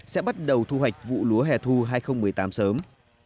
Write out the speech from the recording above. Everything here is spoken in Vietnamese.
sẽ bắt đầu thu hoạch vụ lúa hẻ thu hai nghìn một mươi tám sớm